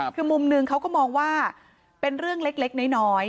คือมุมหนึ่งเขาก็มองว่าเป็นเรื่องเล็กน้อย